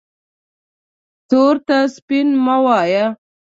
تور ته سپین مه وایه